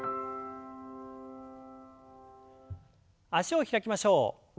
脚を開きましょう。